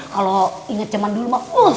kalo inget zaman dulu mak bos